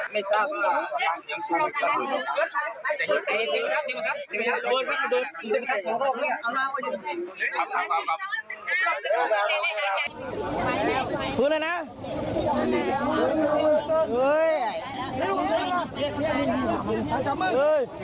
ไม่ทราบ